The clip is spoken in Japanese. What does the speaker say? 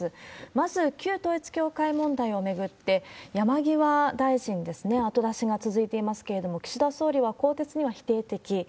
まず旧統一教会問題を巡って、山際大臣ですね、後出しが続いていますけれども、岸田総理は更迭には否定的。